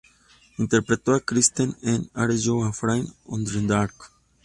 Interpretó a Kristen en "Are You Afraid of the Dark?